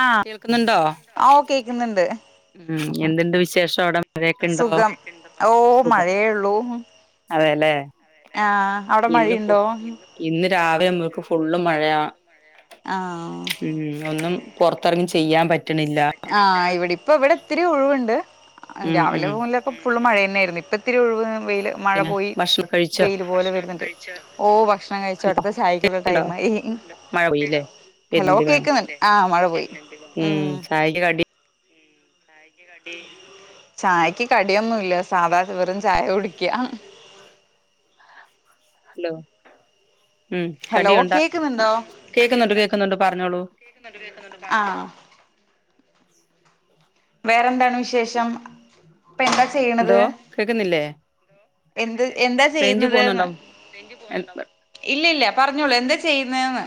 ആഹ് കേൾക്കുന്നുണ്ടോ ഓഹ് കേക്ക്ന്ന്ണ്ട് ഉം എന്തുണ്ട് വിശേഷം അവിടെ മഴേക്കെണ്ടോ സുഖം ഓ സുഖം മഴയേള്ളൂ അതേലേ ആഹ് അവിടെ ഇന്ന്ഫു മഴയുണ്ടോ ഇന്ന് രാവിലേ [unintelligible] ഫുള്ള് മഴാ ആഹ് ഉം ഒന്നും പൊർത്തെറങ്ങി ചെയ്യാൻ പറ്റ ആഹ് ഇവിടെ ഇപ്പ ഇവിടെ ഇത്തിരി ഒഴിവുണ്ട് ഉം രാവിലെ ഉം [unintelligible] ഫുള്ളും മഴേര് ന്നേര്ന്ന് ഇപ്പ ഇത്തിരി ഒഴിവ് വെയില് മഴ പിന്നെ പോയി ഭക്ഷണം കഴിച്ചോ വെയില് പോലെ വരുന്നുണ്ട് ഓഹ് ഭക്ഷണം കഴിച്ചു അടുത്ത ചായക്കുള്ള ഉണ്ടോ ടൈമായി മഴ പെയ്യില്ലേ ഹലോ വരുന്നുണ്ട്ല്ലേ കേക്ക്ന്ന്ണ്ടോ ആഹ് മഴ പോ ഉം ചായക്ക് കടി ചായക്ക് കടിയൊന്നുംല്ല സാധാ ചോറും ചായ കുടിക്കാ ഹലോ ഉം ഹലോ കടിയുണ്ട കേക്കുന്നുണ്ടോ കേക്കുന്നുണ്ട് കേൾക്കുന്നുണ്ട് പറഞ്ഞോളൂ ആഹ് വേറെന്താണ് വിശേഷം എന്താ എന്തോ ചെയ്യണത് കേക്കുന്നില്ലേ എന്ത് എന്താ ചെയ്യത് റേഞ്ച് പോകുന്നുണ്ടോ ന്ന് ഇല്ലല്ല പറഞ്ഞോളൂ എന്താ ചെയ്യുന്നേന്ന്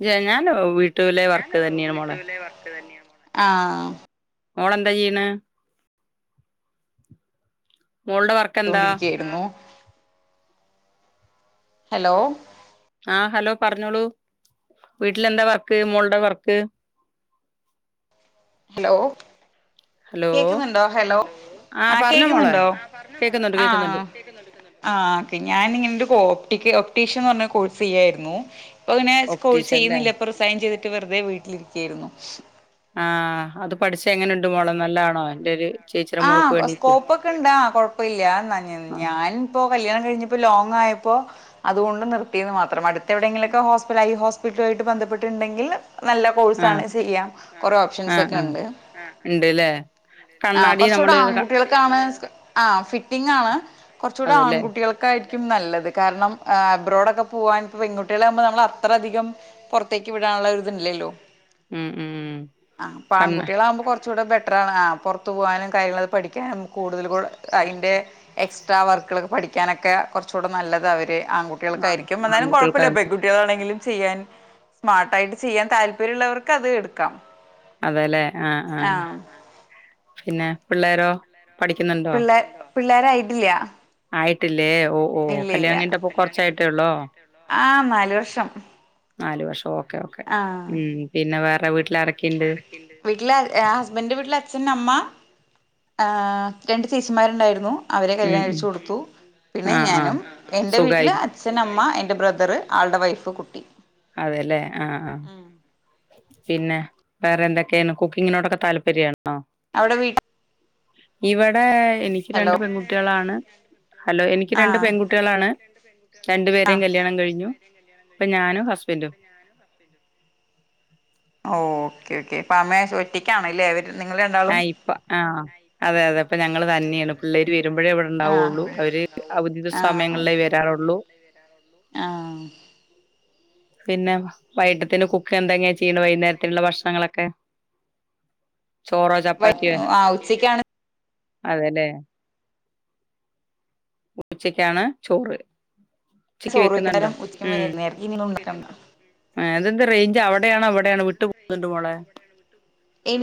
ഇല്ല്യ ഞാന് വീട്ടിലെ വർക്ക് തന്നെയാണ് മോളെ ആഹ് മോളെന്താ ചെയ്യ്ണ് മോളുടെ വർക്ക് എന്താ ത്തോണ്ടിരിക്കയായിരുന്നു ഹലോ ആഹ് ഹലോ പറഞ്ഞോളൂ വീട്ടിലെന്താ വർക്ക് മോളുടെ വർക്ക് ഹലോ ഹലോ കേക്കുന്നുണ്ടോ ഹലോ ആ ആഹ് പറഞ്ഞോ മോളെ കേക്കുന്നുണ്ടോ ആ പറഞ്ഞോ കേക്കുന്നുണ്ട് കേക്കുന്നുണ്ട് ആഹ് ആഹ് ഓക്കെ ഞാനിങ്ങനെ ഒരു കോപ്റ്റിക്ക് ഒപ് റ്റീഷൻ ന്നർഞ്ഞ കോഴ്സ് ചെയ്യായിരുന്നു ഇപ്പ പിന്നേ കോഴ് ഒപ്റ്റീഷ്യൻ ല്ലേ ചെയ്യുന്നില്ല പ്പറിസൈൻ ചെയ്തി റ്റ് വെറുതെ വീട്ടിലിരിക്കായിരുന്നു ആഹ് അത് പഠിച്ച എങ്ങനുണ്ട് മോളോ നല്ലാണോ ന്റെഒരു ആ സ്കോപ്പൊക്കെണ്ടാ കൊഴപ്പൊല്ല്യ എന്ന ആ ഞാനിപ്പൊ കല്യാണം കഴിഞ്ഞപ്പൊ ലോങ്ങായപ്പോ അതോണ്ട് നിർതീന്ന് മാത്രം അടുത്തെവിടെങ്കിലൊക്കെ ഹോസ്പിലൈ ഹോസ് വീട്ടു ആയിട്ട് ബന്ധപ്പെട്ടുണ്ടെങ്കിൽ നല്ല ആ കോഴ്‌സാണ് ചെയ്യാം കൊറെ ആ ഓപ്ഷൻസൊക്കെ ആ ണ്ട് ഉം ഉണ്ട്ല്ലേ ആ കണ്ണാടി കൊർച്ചുടെ നമ്മള് ക- ആൺകുട്ടികൾക്കാണ് ആ ഫിറ്റിങ്ങാണ് കൊർച്ചൂടെ അതല്ലേ ആൺകുട്ടികൾക്കായി ക്കും നല്ലത് കാരണം ആ അബ്രോഡൊക്കെ പൂവാൻ പെൺകുട്ട്യാളാകുമ്പോ നമ്മൾ അത്ര അധികം പൊറത്തേക്ക് വിടാ നുള്ള ഒരിത് ഇല്ലല്ലോ ഉം ഉം പ്പൊ കണ്ണ് ആൺകുട്ട്യാളാവുമ്പൊ ച്ചൂടെ ബെറ്ററാണ് ആ പൊറത്ത് പൂവാനും കാര്യങ്ങളൊക്കെ പഠിക്കാനും കൂടുതൽ അതിന്റെ എക്സ് ട്രാ വർക്കുകളൊക്കെ പഠിക്കാനൊക്കെ കൊർച്ചുടെ നല്ലതാ അവര് ആ ആൺകുട്ട്യോളൊക്കായിരിക്കും എന്നാലും ആൺകുട്ടികൾക്ക കൊഴപ്പല്ല പെൺകുട്ട്യാളാണെങ്കിലും ചെയ്യാൻ സ്മാർട്ടായിട്ട് ചിയ്യാൻ താല്പര്യമുള്ളവർക്ക് അത് എടുക്കാം അതെലേ ആആ ആഹ് ഏ പിള്ളേരോ പഠിക്കുന്നുണ്ടോ? പിള്ളേ പിള്ളേരായിട്ടില്ല ആയിട്ടില്ലേ ഓ ഹൊ ഇല്ല ഇല്ല കല്യാണം കഴിഞ്ഞിട്ട് പ്പൊ കൊറച്ചായിട്ടേള്ളോ? നാലു വർഷം നാല് വർഷം ഓക്കേ ഓക്കേ ഉം പിന്നെ വേറെ വീട്ടി വീട്ടില ആ ഹസ്ബൻഡന്റെ വീട്ടില് അച്ഛൻ അമ്മ ആ രണ്ട് ചേച്ചിമാരുണ്ടായിരുന്നു അവരെ ഉം കല്യാണം ഉം കഴിച്ച് കൊടുത്തു പിന്നെ ആഹ് ആഹ് ഞാനും എൻ്റെ സുഖായി വീട്ടില് അച്ഛനമ്മ എ എന്റെ ബ്രദർ ആളുടെ വൈഫ് കുട്ടി അതെല്ലേ ആഹ് ആഹ് പിന്നെ വേറെ എന്തൊക്കെയാണ് കുക്കിങ്ങിനോടൊക്കെ താല്പര്യം ആണോ അവിടെ വീട്ടിൽ ഇവിടെ എനിക്ക് രണ്ട് പെൺകുട്ടികളാണ് ഹലോ എനിക്ക് രണ്ട് ആഹ് പെൺകുട്ടികളാണ് രണ്ടു പേരും ആഹ് കല്യാണം കഴിഞ്ഞു ഇപ്പൊ ഞാനും ഹസ്ബൻറും ഓ ഓക്കേ ഓക്കേ ഇപ്പ അമ്മ ഒറ്റക്കണല്ലേ അവര് നിങ്ങൾ രണ്ടാളും ആഹ് ഇപ്പം ആഹ് അതെ അതെ ഇപ്പം ഞങ്ങള് തന്നെയാണ് പിള്ളേര് വ വരുമ്പോഴേ അവിടെ ഉണ്ടാവുള്ളൂ പുള്ളി അവര് അവതി സമയങ്ങളിലേ അവധി വരാറുള്ളൂ ആഹ് പിന്നെ വൈകത്തേതന് കുക്ക് എന്തെങ്ങാ ചെയ്യണ വൈകുന്നേരത്തിനുള്ള ഭക്ഷണങ്ങളൊക്കെ ചോറോ വൈ ചപ്പാത്തിയോ ആഹ് ഉച്ചക്കാണ് അതെല്ലേ ഉച്ചയ്ക്കാണ് ചോറ് ഉച്ചക്ക് ചോറ് വെക്കുന്നുണ്ടോ വെക്കുന്നേരം ഉച്ചക്കും ഉം വൈകുന്നേരം ഇനി ഉണ്ടാക്കണ്ട അതെന്താ റേഞ്ച് അവിടെയാണോ ഇവി ടൊയാണോ വിട്ട് വിട്ട് പോകുന്ന മോളെ ഈ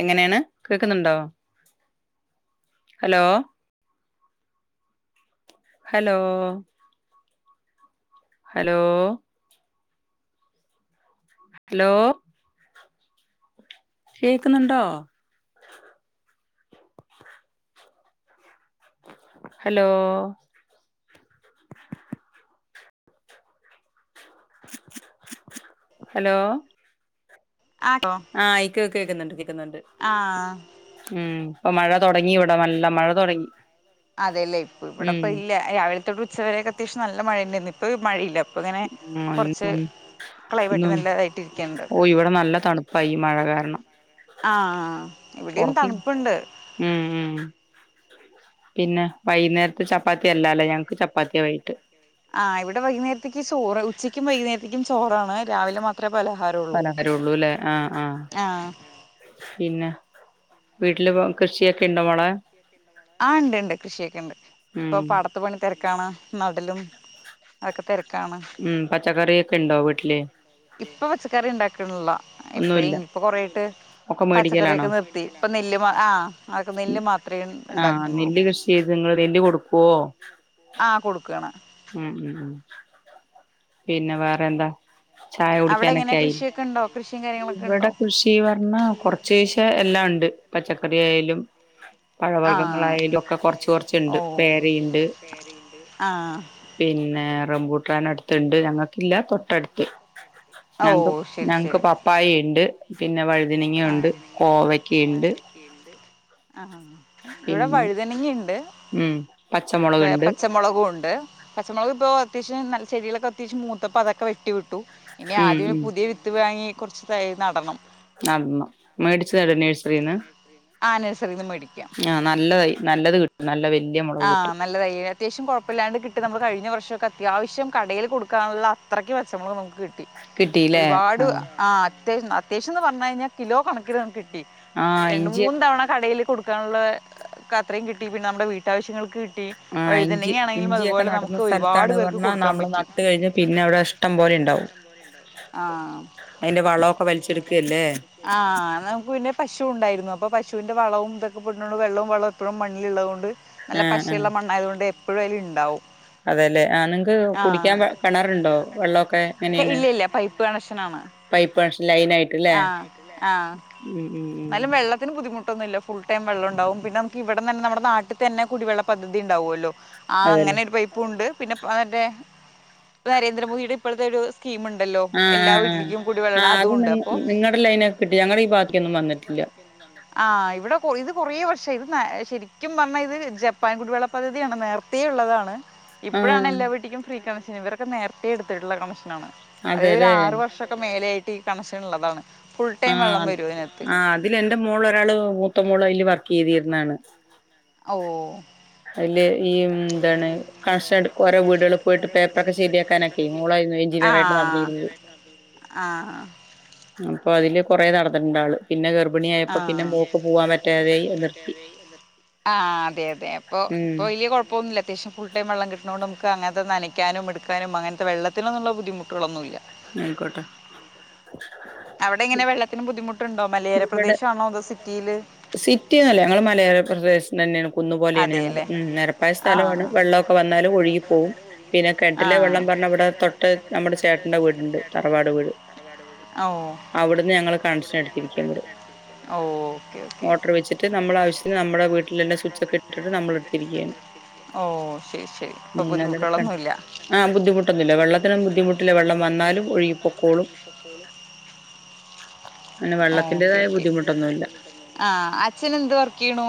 എങ്ങനെയാണ് കേക്കുന്നുണ്ടോ ഹലോ ഹലോ ഹലോ ഹലോ കേക്കുന്നുണ്ടോ ഹലോ ഹലോ ആട്ടോ ആഹ് ഐക്കക്ക കേക്കുന്നുണ്ട് കേക്കുന്നുണ്ട് ആഹ് ഉം ഇപ്പൊ മഴ തുടങ്ങി ഇവിട നല്ല മഴ തുടങ്ങി അതെയല്ലേ ഇവിടെ ഉം ഇപ്പ ഇല്ല രാവിലത്തോട്ട് ഉച്ചവരൊക്കെ അത്യാശ്യാ നല്ല മഴയ ഉണ്ടായിരുന്നു ഇപ്പ മഴല്ല ഉം ഉം ക്ലൈമറ്റ് ഉം നല്ലതായിട്ട് ഇരിക്കണ്ട് ഓ ഇവിടെ നല്ല തണുപ്പാ ഈ മഴ കാരണം ആഹ് ഇവിടയും പുറത്തി തണുപ്പണ്ട് ഉം ഉം പിന്നെ വൈകുന്നേരത്ത് ചപ്പാത്തിയല്ലാല്ലോ ഞങ്ങക്ക് ചപ്പാത്തിയാ വയ്ക്ട് ആ ഇവിടെ വൈകുന്നേരതുക്കും ചോറ് ഉച്ചയ്ക്കും വൈകുന്നേരത്തക്കും ചോറാണ് രാവിലെ മാത്രമേ പലഹാരം പലഹാരം ഉള്ളൂ അല്ലെ ആഹ് ആഹ ആഹ് പിന്നെ വീട്ടില് ഇപ്പൊ കൃഷിയൊക്കെ ഇണ്ടോ മോളെ ആഹ് ഇണ്ട് ഇണ്ട് കൃഷിയൊക്കെ ഇണ്ട് ഉം ഇപ്പൊ പടത്ത്ു പണി തിരക്ക ക്കണ നാട്ടിലും അതൊക്കെ തിരക്ക ഉം പച്ചക്കറി ഒക്കെണ്ടോ വീട്ടില് ഇപ്പൊ പച്ചക്കറി ഇണ്ടാക്കിനിള്ള എപ്പഴ ഇ ഒന്നുല്ല ഇപ്പോ കൊറായിട്ട് ഒക്കെ മേടിക്കലാണോ പച്ചക്കറിയൊക്കെ നിർത്തി ഇപ്പം നെല്ല് ആ അതൊക്കെ നെല്ല് മാത്രമേ ഇണ്ടാകുന്നോള്ളൂ നിങൾതന്റെ കൊടുക്കുവോ കൊടുക്കാണ് ഉം ഉം ഉം പിന്നെ വേറെ എന്താ ചായ അവിടെ എങ്ങനെ കുടിക്കാനൊക്കെ ആയി കൃഷിയൊക്കെ ഉണ്ടോ കൃഷിയും കാര്യങ്ങളൊക്കെ ഇവിടെ ഉണ്ടോ കൃഷി പറഞ്ഞ കുറച്ചിച്ചേ എല്ലാം ഇണ്ട് പച്ചക്ക കറി ആായാലും ആ പഴവർഗങ്ങളായാലും ഒക്കെ കൊറച്ച് കൊറച്ചുണ്ട് പേരെയംണ്ട് ആ പിന്നെ റംബൂട്ട്രൻ അടുത്ൻഡ് ഞങ്ങൾക്കില്ല തൊട്ടടുത്ത് ഓ ഞങ്ങക്ക് ശരി ഞങ്ങക്ക് ശരി പപ്പായ ഉണ്ട് പിന്നെ വഴുതനങ്ങുണ്ട് കോ ആ ഇവിടെ പിന്നെ വഴുതനങ്ങിണ്ട് ഉം പച്ചമുളക്കണ്ട് ണ്ട് പച്ചമുളക് ഇപ്പോൾ അത്യാശ്യ നല്ല ചെടയിലൊക്കെ അത്യാവശം മൂത്തപ്പപ്പോ അതൊക്കെ വെട്ടിട്ട് ഇനി ഉം ആദ്യം ഉം പുതിയ വിത്ത് വാങ്ങി കുറച്ച് തയ്യ് നടണം നടന്നു മേടിച്ച് തര ഉം നേഴ്സറിന്ന് ആ നഴ്സറിന്ന് മേടിക്കാം ആ നല്ലതായ് നല്ലത് കിട്ടും നല്ലവെ ആ നല്ലതായി അത്യാവശ്യംകുഴപ്പല്ലാണ്ട് കിട്ടും നമ്മ കഴിഞ്ഞ വർഷം നമ്മക്ക് അത്യാവശ്യം കടയിൽ കൊടുക്കാനുള്ള അത്രക്ക് പച്ചമുളക് നമുക്ക്- കിട്ടി കിട്ടില്ലേ ഒരുപാട് ആഹ് ആ അത്യാവശ്യം അത്യാവശ്യയെന്ന് പറഞ്ഞ് കഴിഞ്ഞാൽ കിലോ കണക്കിൽ നമുക്ക് കിട്ടി ആഹ് രണ്ട് ഇഞ്ചി മൂന്ന് തവണ കടേല് കൊടുക്കാനുള്ള അത്രയും കിട്ടി പിന്നെ നമ്മുടെ വീട്ടാവശ്യങ്ങൾക്ക്- കിട്ടി ആഹ് ഇഞ്ചി വഴുതനങ്ങ ആണെങ്കിലും ഇഞ്ചിയൊക്കെ അതുപോലെ നമുക്ക് നടന്ന ഒരുപാട് സ്ഥലത്താണ് പേർക്ക് പറഞ്ഞാ കൊടുക്കാൻ നമ്മള് പറ്റി നട്ടു കഴിഞ്ഞ് പിന്നെ അവിടെ ഇഷ്ടം- പോലെ ഇണ്ടാവും ആഹ് വലിച്ചെടുക്കല്ലേ ആഹ് നമുക്ക് പിന്നെ പശുണ്ടായിരുന്നു- ഇപ്പോ പശുവിന്റെ വളവും ഇതൊക്കെ പെടുന്നത്കൊണ്ട് വെള്ളോം വളോം മണ്ണിളിതുകൊണ്ട് നല്ല ആഹ് ആഹ് പശയുള്ള മണ്ണായതോണ്ട്- എപ്പോഴും അതിൽ ഇണ്ടാവും അതെല്ലേ ആ നിങ്ങക്ക് ആഹ് കുടിക്കാൻ കിണറുണ്ടോ വെള്ളമൊക്കെ എങ്ങനെയാണ് ഇല്ലയില്ല പൈപ്പ് കണക്ഷനാണ് പൈപ്പ് കണക്ഷൻ ലൈൻ ആയിട്ട്ല്ലേ ആഹ് ആഹ് ഉം ഉം ഉം എന്നാലും വെള്ളത്തിന് ബുദ്ധിമുട്ട ഒന്നില്ല ഫുൾടൈം വെള്ളം ഇണ്ടാവും പിന്നെ നമുക്ക് ഇവിട്ന്ന് തന്നെ നമ്മുടെ നാട്ടിൽ തന്നെ കുടിവെള്ള പദ്ധതി ഇണ്ടാവുമല്ലോ ആഹ് അതെല്ലേ അങ്ങനെ ഒരു പൈപ്പുംയുണ്ട് പിന്നെ ആർടെയാ നരേന്ദ്രമോദിയുടെ ഇപ്പോഴത്തെ ഒരു സ്കീം ഇണ്ടല്ലോ ആഹ് എല്ലാ ആഹ് ആഹ് വീട്ടിലേക്കും കൂടി വെള്ളണം ആഹ് അത് അതും നി ഉണ്ട് അപ്പൊ- നിങ്ങടെ ലൈനൊക്കെ കിട്ടി ഞങ്ങടെ ഈ ഭാഗത്തേക്കൊന്നും വന്നിട്ടില്ല ആഹ് ഇവിടെ ഇത് കുറേ വർഷായി ഇത് ശരിക്കും പറഞ്ഞാൽ ഇത് ജപ്പാൻ കുടിവെള്ള പദ്ധതിയാണ് നേർത്തേ ഉള്ളതാണ്. ഇപ്പഴാണ് ആഹ് എല്ലാ വീട്ടിക്കും ഫ്രീ കണഷൻ ഇവരൊക്കെ നേരത്തെേ എടുത്തിട്ടുള്ള കമ്മീഷൻ ആണ്. അത് ഒരു അതെല്ലേ ആറ് വർഷൊക്കെ മേലയായിട്ട് ഈ കണക്ഷൻ ഉള്ളതാണ്. ഫുൾ ടൈം വെള്ളം ആഹ് വരും ഇതിനകത്ത് ആ അതിൽ എന്റെ മോൾ ഒരാള് മുത്തമോള് വർക് ർക്ക് ചെയ്തിരുന്നതാണ് ഓഹ് അതില് ഈ എന്താണ് [unintelligible] ഒറെേ വീടുക പോയിട്ട് പേപ്പറൊക്കെ ശരിയാക്കാനൊക്കെ മള എൻജിനീയറായിട്ട് ആ നടന്നിരുന്നു ആ അപ്പൊ അതില് കൊറേ നടന്നിട്ടുണ്ട് ആള് പിന്നെ ഗർ - ആഹ് നിർത്തി ആഹ് അതെ അതെ പ്പോ ഉം ഇപ്പോ വെല്യ കോഴപ്പോന്നില്ല അത്യാവശ്യം ഫുൾ ടൈം വെള്ളം കിട്ട്ണോണ്ട് നമുക്ക് അങ്ങൻത്തെ ന്നനക്കാന്നും ഇട്ക്കാനും അങ്ങൻത്തെ വെള്ളത്തിലൊന്നുള്ള ബുദ്ധിമുട്ടുകളൊന്നും ഇല്ല ന്നാ അയ്ക്കോട്ടെ അവിടെങ്ങനെ വെള്ളത്തിന് ബുദ്ധിമുട്ട്ണ്ടോ? മലയോര പ്രദേശാണോ അതോ സിറ്റിയില് സിറ്റി ന്നോല്ല ഞങ്ങള് മലയോര പ്രദേശം തന്നെണ് കുന്ന് പോലേണ് ഞങ്ങള് അതെല്ലേ ഉം നെരപ്പായ സ്ഥലാണ് മഴ വെള്ളൊക്കെ വന്നാലും ഒഴുകി പോകും പിന്നെ കെൻട്ടിലെ വെള്ളം പിന്നെ ന്നവിടെ തൊട്ട് നമ്മടെ ചേട്ടന്റെ വീട്ണ്ട് തറവാട് വീട് അവിട്ന്ന് ഞങ്ങള് ക [unintelligible] ഓ മോട്ടർ വെച്ചിട്ട് നമ്മളെ ആവശ്യത്തിന് നമ്മടെ വീട്ടിലുള്ള സ്വിച്ചൊക്കെ ഇ ഇട്ട്ട്ട് നമ്മളെടുത്തിരിക്ക്യണ് ഓ ശെരി ശെരി അപ്പൊ ബുദ്ധിമുട്ടുകളൊന്നുല്ല ആഹ് ബുദ്ധിമുട്ടൊന്നുല്ല വെള്ളത്തിനും ബുദ്ധിമുട്ടില്ല വെള്ളം വന്നാലും ഒഴുകി പൊക്കോളും അന്നെ വെള്ളത്തിന്റെതായ ബുദ്ധിമുട്ടൊന്നുല്ല ആഹ് അച്ഛനെന്തു വർക്കെയ്യ്ണു?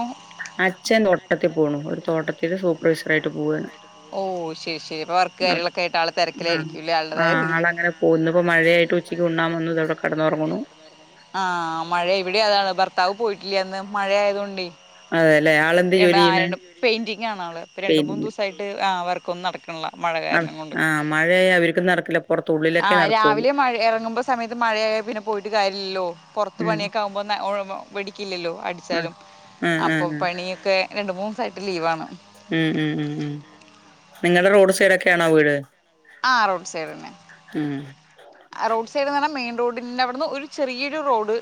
അച്ഛൻ നോട്ടത്തി പോണു ഒരു തോട്ടത്തില് സൂപ്പർ വൈസറായിട്ട് പോവാണ് ഓ ശരി ശരി അപ്പൊ വർക്ക് കാര്യങ്ങളൊക്കെ ആയിട്ട് ആള് തിരക്കിലായിരിക്കും [unintelligible] അല്ലേ ആളുടേതായ ആഹ് ഇതില് ആളങ്ങനെ പോവുന്ന് ഇന്ന് മഴയായിട്ട് ഉ ഉച്ചക്കുണ്ണാവന്ന് ഇതടെ കെടന്നൊർങ്ങുണു ആഹ് മഴ ഇവിടെതാണ് ഭർത്താവ് പോയിട്ടില്ല്യന്ന് മഴയായത് കോണ്ടെ അതെല്ലേ ആളെന്ത് ജോലി ചെയ്യണ് [unintelligible] പെയിന്റിങ്ങാണാള് ഇപ്പോ രണ്ട്മൂന്ന് പെയിന്റിങ് ദിവസായിട്ട് ആഹ് വർകൊന്നും നടക്ണില്ല [unintelligible] ആഹ് മഴയായ അവർക്കും നടക്കുല ആഹ് രാവിലെ മഴ എറങ്ങുമ്പോ സമയത്ത് മഴയാ പിന്നെ പോയിട്ട് കാര്യല്ലല്ലോ പൊർത്ത് ഉം പണിയൊക്കെ ആവുമ്പം നം ഇവിടിക്കില്ലല്ലോ ആഹ് അടിച്ചാലും ആഹ് അപ്പൊ ആഹ് പണിയൊക്കെ രണ്ട്മൂന്നിസായിട്ട്ലീവാണ് ഉം ഉം ഉം ഉം നിങ്ങൾടെ റോഡ്സൈഡൊക്കെണോ വീട് ആ റോഡ്സൈഡന്നെ ഉം റോഡിന്നഅവിട്ന്ന് ഒരു ചെറിയരുറോഡ്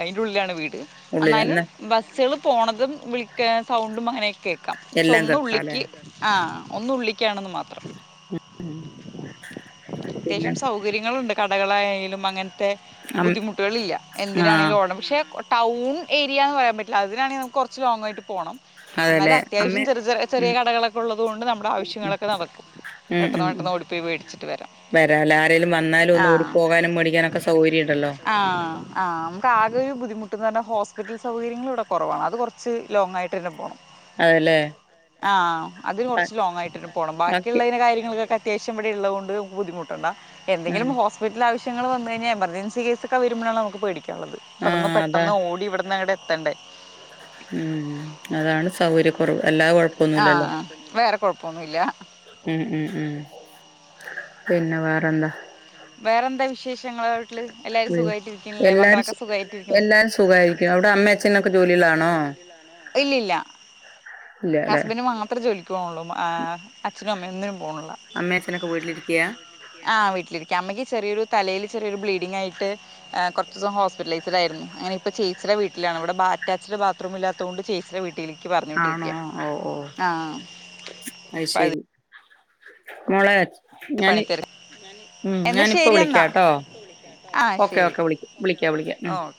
അതിന്റെള്ളിലാണ് വീട് ഉള്ളിലാ എന്നായാലും എന്നാ ബസ്സുകൾ പോണതും വിളിക്കെസൗണ്ടും അങ്ങനെ കേക്കാം പക്ഷെ എല്ലാം കേൾക്കാല്ലേ ഒന്നുള്ളിക്ക് ആ ഒന്നുള്ളിക്കാണെന്ന് മാത്രം [inaudible] പിന്നെ അത്യാവശ്യം സൗകര്യങ്ങളുണ്ട് കടകളായാലും അങ്ങനെ നത്തെ അം ബുദ്ധിമുട്ടുകളില്ല ആഹ് എന്തിനാണെങ്കിലും ഓടാം പക്ഷേ ടൗൺ ഏരിയ എന്ന് പറയാൻ പറ്റ അതിനാണെങ്കിനമുക്ക് കുറച്ച് ലോങ്ങായിട്ട്പോണം അതെല്ലേ എന്നാലത്യാവശ്യം അമ്മേ ചെറു ചെ ചെറിയ ഉം കടകളൊക്കെ ഉള്ളതുകൊണ്ട് നമ്മുടെ ഉം ആവശ്യങ്ങളൊക്കെ നടക്കും ഉം പെട്ടെന്ന് ഉം ഉം പെട്ടെന്ന് ഓടിപ്പോയി മേടിച്ചിട്ട് വരാം വരാല്ലേ ആരേലും വന്നാലും ആ ഒന്ന് ഓടി പോകാനും മേടിക്കാനൊക്കെ സൗകര്യം ഇണ്ടല്ലോ ആഹ ആ നമുക്കആകെ ബുദ്ധിമുട്ട ട്ടന്ന് പറഞ്ഞ ഹോസ്പിറ്റൽ സൗകര്യങ്ങളുവിടെ കുറവാണ് അത് കുറച്ച് ലോങ്ങായിട്ട്തന്നെ പോണം അതെല്ലേ ആഹ അതിനുകുറച്ച് ലോങ്ങയിട്ടെന്നെപോണം ബാക്കി ബാക്കിയിള്ളന്റെ കാര്യങ്ങൾക്കൊ അത്യാശ്യംവിടെള്ളോതു കൊണ്ട് ബുദ്ധിമുട്ടണ്ട എന്തങ്കിലും ആഹ് ഹോസ്പിറ്റലിൽ ആവശ്യം ങ്ങള് വന്നിയിഞ്ഞ എമർജൻസികേസൊക്കെ വരുമ്പലാണ് നമുക്ക്പേടിക്കാനുള്ളത് ഇവിന്ന് ആഹ് അതാ പെട്ടന്ന് ഓടിവിടന്ന് അങ്ങട്ടെ ട്ടെത്തണ്ടേ ഉം അതാണ് സൗകര്യകുറവ് അല്ലാതെകൊഴപ്പൊന്നുല്ലല്ലോ ആഹ് വേറെ കുഴപ്പൊന്നുല്ല ഉം ഉം ഉം പിന്നെവേറെന്താ വേറെന്താ വിശേഷ ഷങ്ങള് വീട്ടില് എല്ലാരും ഉം സുഖമായിട്ടിരിക്കുന്നില്ലേ എല്ലാരും മക്കളൊക്കെ സു സുഖായിട്ടിരിക്കുന്നില്ലേ എല്ലാരും സുഖായിരിക്കാണ് ക്കാണ് ഇല്ലല്ല അല്ലെ ഹസ്ബന്റ്മാത്രേ ജോലിക്ക്പോണള്ളൂ മ്മ്എ അച്ഛനുഅമ്മോന്നും പോണില്ല അമ്മേ അച്ഛനൊക്കെ വീട്ടിലിരിക്കയാ ആഹ വീട്ടിലിരിക്ക അമ്മക്ക്ചെറിയൊരു തലയിലിലുചെറിയൊരു ബ്ലീഡിങ്ങായിട്ട് എ കൊറച്ചുസം ഹോസ്പിറ്റലൈസഡ്‌ആയിരുന്നു അങ്ങനെപ്പോ ചേച്ചിടെ വീട്ടിലാണ് അവിടെ ഇവിടെ ബ അറ്റാച്ച്ഡ്ബാത്റൂമില്ലാത്തതുകൊണ്ട് ചേച്ചിടെവീട്ടിൽക്ക് ആണോ പറഞ്ഞുവിട്ടരിക്ക ഓ ഓ അത്ശരി മോളെ ഞാന് [unintelligible] ഉം എന്നാ ശരി എന്നാ ഞാനിപ്പോവിളിക്കാട്ടോ ആഹ് ഓക്കെ ശരി ഓക്കെ വിളിക്കാം വിളിക്ക വിളിക്കാം ഉം ഓക്കെ